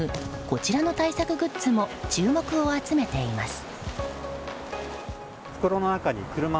こちらの対策グッズも注目を集めています。